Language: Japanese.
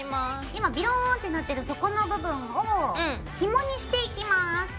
今ビローンってなってるそこの部分をひもにしていきます。